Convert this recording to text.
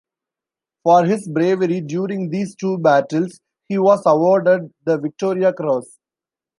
For his bravery during these two battles, he was awarded the Victoria Cross.